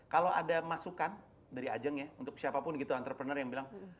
kalau ada masukan dari ajang ya untuk siapapun gitu entrepreneur yang bilang